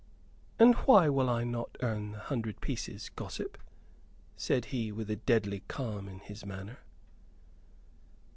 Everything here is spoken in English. "And why will I not earn the hundred pieces, gossip?" said he, with a deadly calm in his manner.